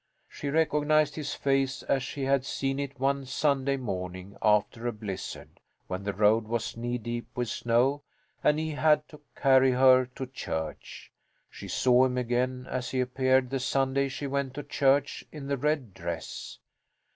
She recognized his face as she had seen it one Sunday morning after a blizzard, when the road was knee deep with snow and he had to carry her to church. She saw him again as he appeared the Sunday she went to church in the red dress.